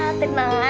mas ini memang barang